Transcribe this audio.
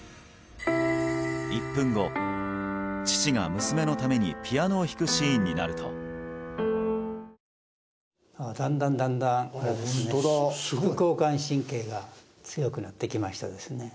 １分後父が娘のためにピアノを弾くシーンになるとだんだんだんだん副交感神経が強くなってきましたですね